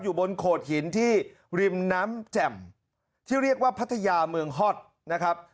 อยู่บนโขดหินที่ริมน้ำแจ่มที่เรียกว่าพัทยาเมืองฮอตนะครับ